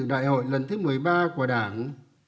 nội lần thứ một mươi ba của đảng